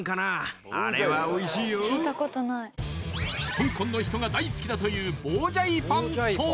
香港の人が大好きだというボウジャイファンとは？